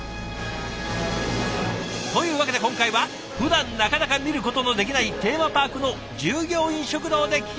というわけで今回はふだんなかなか見ることのできないテーマパークの従業員食堂で聞きました。